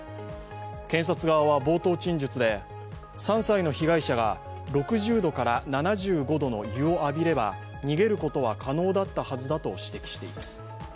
検察側は冒頭陳述で３歳の被害者が６０度から７５度の湯を浴びれば逃げることは可能だったはずだと指摘しています。